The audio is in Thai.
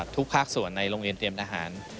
ภาคส่วนในโรงเรียนเตรียมทหาร